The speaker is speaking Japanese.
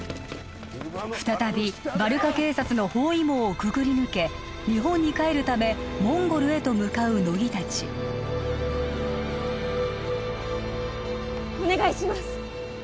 再びバルカ警察の包囲網をくぐり抜け日本に帰るためモンゴルへと向かう乃木たちお願いします